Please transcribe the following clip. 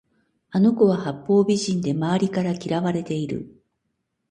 あの子は八方美人で周りから嫌われている